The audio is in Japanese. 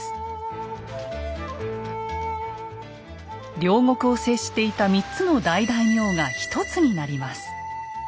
領国を接していた３つの大大名が一つになります。